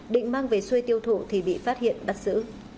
định mang về xuê tiêu thụ thì bị phát hiện bắt xử